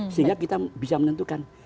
sehingga kita bisa menentukan